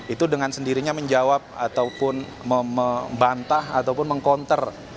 itu dengan sendirinya menjawab ataupun membantah ataupun meng counter